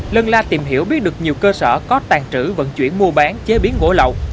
lân la tìm hiểu biết được nhiều cơ sở có tàn trữ vận chuyển mua bán chế biến gỗ lậu